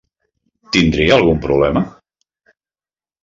Tindria algun problema?